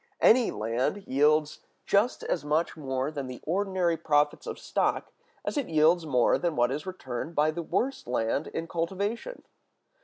Any land yields just as much more than the ordinary profits of stock as it yields more than what is returned by the worst land in cultivation.